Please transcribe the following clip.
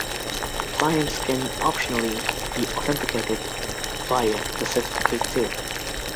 Clients can optionally be authenticated via a certificate too.